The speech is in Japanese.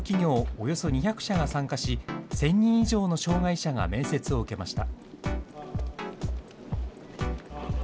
およそ２００社が参加し、１０００人以上の障害者が面接を受けました。